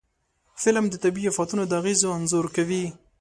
فلم د طبعي آفتونو د اغېزو انځور کوي